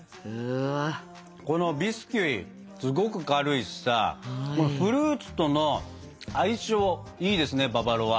このビスキュイすごく軽いしさフルーツとの相性いいですねババロア。